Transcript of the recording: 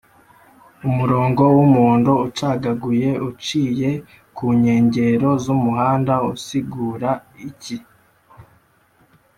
umurongo w’umuhondo ucagaguye uciye ku nkengero z’umuhanda usigura iki